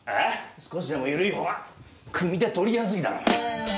少しでも緩いほうが組み手取りやすいだろ。